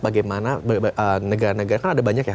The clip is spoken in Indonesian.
bagaimana negara negara kan ada banyak ya